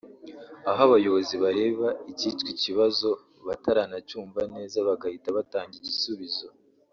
aho abayobozi bareba ikitwa ikibazo bataranacyumva neza bagahita batanga igisubizo